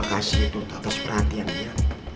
makasih untuk atas perhatiannya